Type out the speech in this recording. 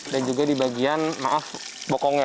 dan juga di bagian maaf bokongnya